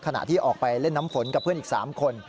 ขณะที่ออกไปเล่นน้ำฝนกับเพื่อนอีก๓คน